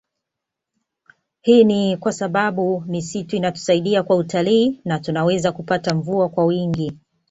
Hii ni kwa sababu misitu inatusaidia kwa utalii na tunaweza kupata mvua kwa wingi